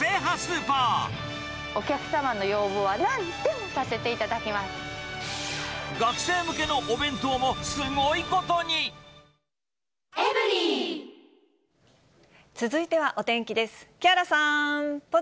お客様の要望はなんでもさせ学生向けのお弁当もすごいこ続いてはお天気です。